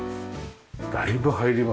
だいぶ入ります。